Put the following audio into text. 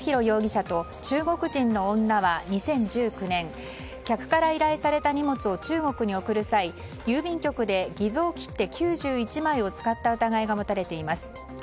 容疑者と中国人の女は２０１９年客から依頼された荷物を中国に送る際郵便局で偽造切手９１枚を使った疑いが持たれています。